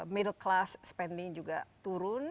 middle class spending juga turun